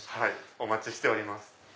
お待ちしております。